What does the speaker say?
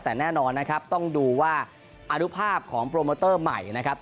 แต่แน่นอนนะครับต้องดูว่าอนุภาพของโปรโมเตอร์ใหม่นะครับ